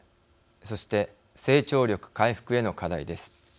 そして成長力回復への課題です。